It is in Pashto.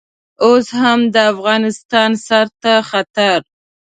اوس هم د افغانستان سر ته خطر.